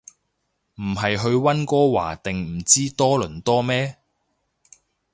唔係去溫哥華定唔知多倫多咩